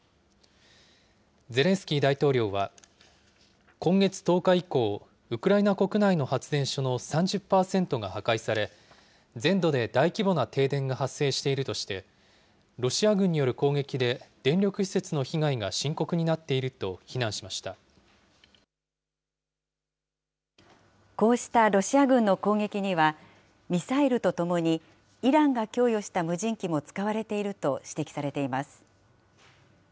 ゼレンスキー大統領は、今月１０日以降、ウクライナ国内の発電所の３０％が破壊され、全土で大規模な停電が発生しているとして、ロシア軍による攻撃で電力施設の被害が深刻になっていると非難しこうしたロシア軍の攻撃には、ミサイルとともに、イランが供与した無人機も使われていると指摘されています。